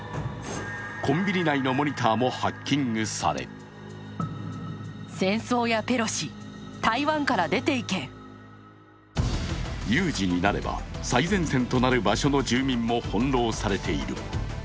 コンビニ内のモニターもハッキングされ有事になれば最前線となる場所の住民も翻弄されている。